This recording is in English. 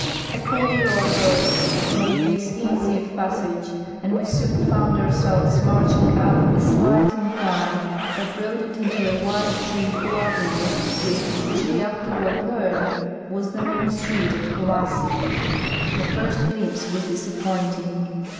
A corduroy road made this easy of i)assage, and we soon found ourselves marching up a slight incline that broadened into a wide street or avenue which, as we afterward learned, was the main street of Kumassi. 'J'he first glimpse was disappointing.